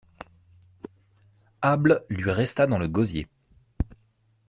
Able lui resta dans le gosier.